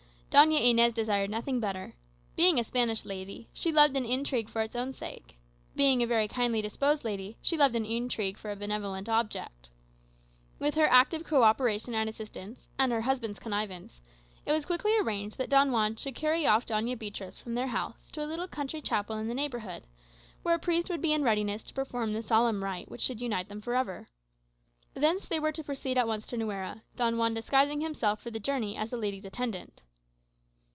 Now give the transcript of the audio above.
Doña Inez desired nothing better. Being a Spanish lady, she loved an intrigue for its own sake; being a very kindly disposed lady, she loved an intrigue for a benevolent object. With her active co operation and assistance, and her husband's connivance, it was quickly arranged that Don Juan should carry off Doña Beatriz from their house to a little country chapel in the neighbourhood, where a priest would be in readiness to perform the solemn rite which should unite them for ever. Thence they were to proceed at once to Nuera, Don Juan disguising himself for the journey as the lady's attendant.